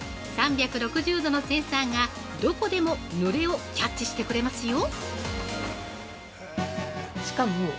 ３６０度のセンサーがどこでもぬれをキャッチしてくれますよ。